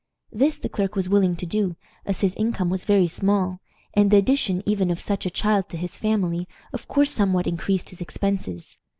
This the clerk was willing to do, as his income was very small, and the addition even of such a child to his family of course somewhat increased his expenses.